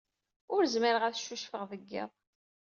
Ur zmireɣ ad ccucfeɣ deg yiḍ.